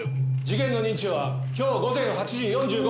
事件の認知は今日午前８時４５分。